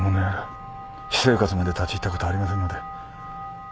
私生活まで立ち入ったことはありませんので。